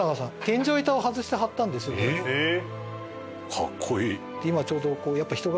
かっこいい！